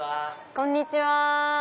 こんにちは。